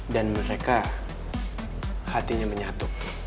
dan mereka hatinya menyatu